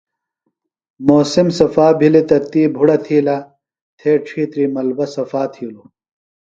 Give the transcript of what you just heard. موسم صفا بھِلیۡ تہ تی بھُڑہ تھِیلہ تھے ڇھیتری ملبہ صفاتھِیلو۔